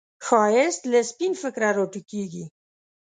ښایست له سپین فکره راټوکېږي